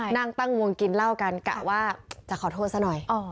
นั่งตั้งวงกินเหล้ากันกะว่าจะขอโทษซะหน่อย